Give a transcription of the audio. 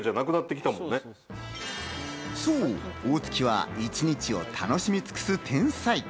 そう大槻は一日を楽しみ尽くす天才。